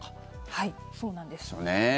はい、そうなんです。